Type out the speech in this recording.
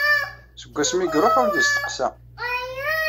Seg wasmi i iruḥ ur d-isteqsa.